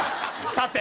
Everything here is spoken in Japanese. さて。